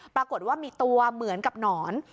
ปรากฏว่ามีตัวเหมือนกับหนอน